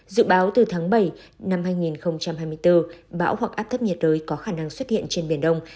dự báo từ tháng bảy năm hai nghìn hai mươi bốn bão hoặc áp thấp nhiệt đới có khả năng xuất hiện trên biển đông